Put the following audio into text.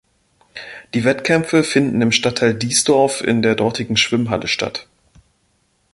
Die Wettkämpfe finden im Stadtteil Diesdorf in der dortigen Schwimmhalle statt.